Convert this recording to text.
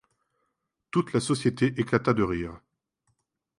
Toute la société éclata de rire.